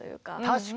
確かに！